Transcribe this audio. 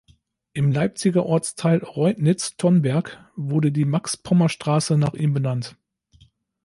Im Leipziger Ortsteil Reudnitz-Thonberg wurde die Max-Pommer-Straße nach ihm benannt.